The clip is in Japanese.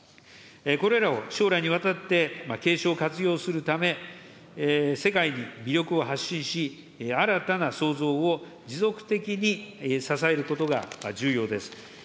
これらを将来にわたって継承・活用するため、世界に魅力を発信し、新たな創造を持続的に支えることが重要です。